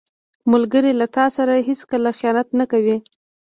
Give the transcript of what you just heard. ملګری له تا سره هیڅکله خیانت نه کوي